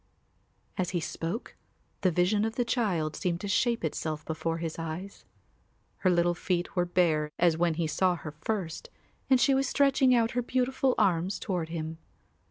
As he spoke the vision of the child seemed to shape itself before his eyes. Her little feet were bare as when he saw her first and she was stretching out her beautiful arms toward him.